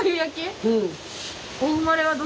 うん。